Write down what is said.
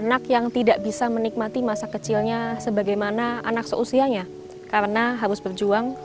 anak yang tidak bisa menikmati masa kecilnya sebagaimana anak seusianya karena harus berjuang